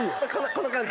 この感じ。